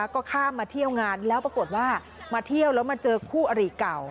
ก็ข้ามมาเที่ยวงานแล้วปรากฏว่ามาเที่ยวแล้วมาเจอคู่อริเก่า